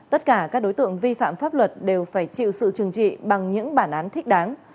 tất cả các đối tượng vi phạm pháp luật đều phải chịu sự trừng trị bằng những bản án thích đáng